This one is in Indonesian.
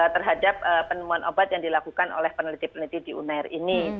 terhadap penemuan obat yang dilakukan oleh peneliti peneliti di unair ini